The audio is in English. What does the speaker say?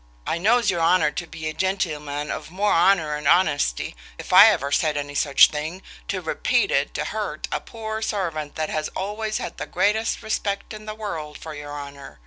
I nose your onur to be a genteelman of more onur and onesty, if I ever said ani such thing, to repete it to hurt a pore servant that as alwais add thee gratest respect in thee wurld for ure onur.